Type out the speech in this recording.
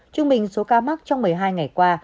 trung bình số ca mắc trong một mươi hai ngày qua